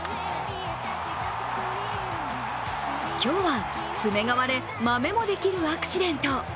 今日は爪が割れ、マメもできるアクシデント。